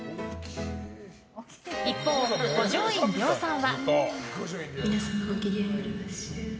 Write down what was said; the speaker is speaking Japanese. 一方、五条院凌さんは。